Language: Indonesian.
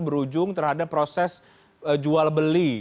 berujung terhadap proses jual beli